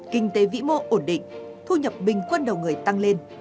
kinh tế vĩ mô ổn định thu nhập bình quân đầu người tăng lên